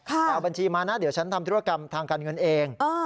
ไปเอาบัญชีมานะเดี๋ยวฉันทำธุรกรรมทางการเงินเอง